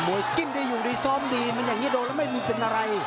สกิ้นที่อยู่ดีซ้อมดีมันอย่างนี้โดนแล้วไม่มีเป็นอะไร